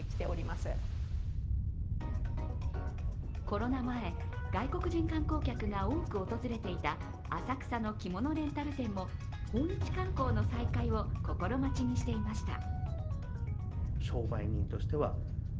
コロナ前、外国人観光客が多く訪れていた浅草の着物レンタル店も訪日観光の再開を心待ちにしていました。